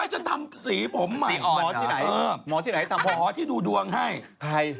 หมอที่กูดวงให้